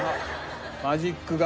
マジックが。